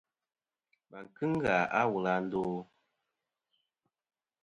Và kɨŋ ghà a wul à ndo ?